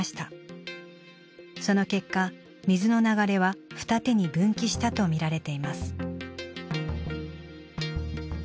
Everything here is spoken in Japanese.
その結果水の流れは二手に分岐したとみられています。